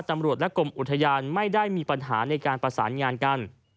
ตำรวจและกรมอุทยานไม่ได้มีปัญหาในการประสานงานกัน